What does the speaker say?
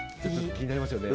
気になりますよね。